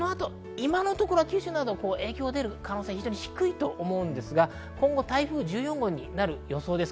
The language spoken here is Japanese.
今のところ九州などに影響が出る可能性は低いと思うんですが台風１４号になる予想です。